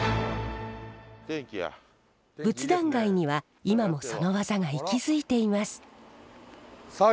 仏壇街には今もその技が息づいています。